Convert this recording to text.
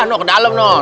nuh ke dalam nuh